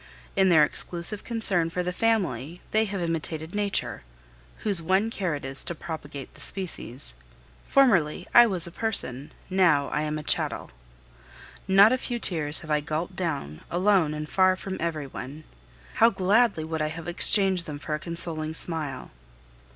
In their exclusive concern for the family they have imitated Nature, whose one care is to propagate the species. Formerly I was a person, now I am a chattel. Not a few tears have I gulped down, alone and far from every one. How gladly would I have exchanged them for a consoling smile!